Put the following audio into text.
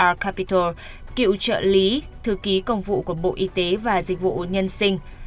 bà capital cựu trợ lý thư ký công vụ của bộ y tế và dịch vụ nhân sinh